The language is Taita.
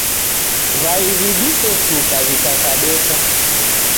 W'ai w'idise shuka w'ikakadeka.